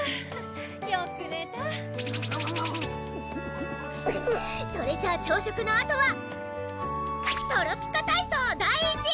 よくねたそれじゃ朝食のあとはトロピカ体操第１！